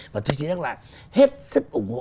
và tôi chí nhắc là hết sức ủng hộ